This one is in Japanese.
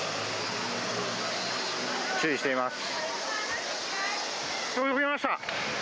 注意しています。